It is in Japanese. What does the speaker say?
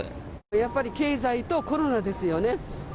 やっぱり経済とコロナですよね。